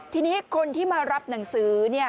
ทีนี้คนที่มารับหนังสือ